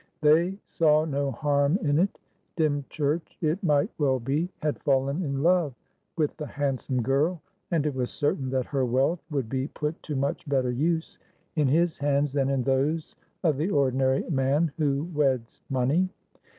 They saw no harm in it. Dymchurch, it might well be, had fallen in love with the handsome girl, and it was certain that her wealth would be put to much better use in his hands than in those of the ordinary man who weds money.